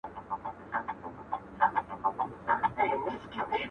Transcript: د هلمند څخه شرنګى د امېلونو.!